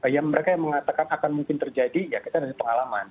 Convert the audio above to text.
ya mereka yang mengatakan akan mungkin terjadi ya kita dari pengalaman